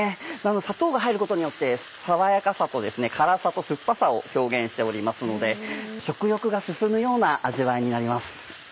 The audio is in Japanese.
砂糖が入ることによって爽やかさと辛さと酸っぱさを表現しておりますので食欲が進むような味わいになります。